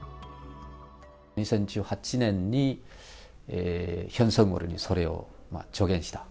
２０１８年に、ヒョン・ソンウォルにそれを助言した。